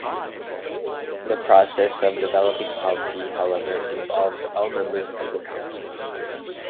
The process of developing policy, however, involves all members of the Council.